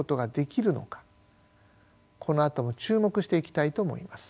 このあとも注目していきたいと思います。